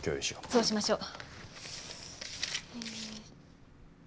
そうしましょう。